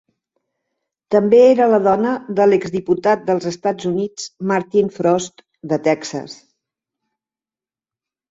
També era la dona del exdiputat dels Estats Units Martin Frost de Texas.